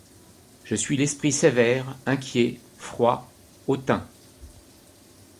Je suis l'esprit sévère, inquiet, froid, hautain